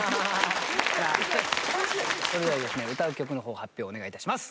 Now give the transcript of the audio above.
それではですね歌う曲の方発表お願い致します。